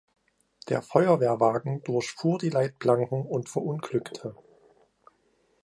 Der Feuerwehrwagen durchfuhr die Leitplanken und verunglückte.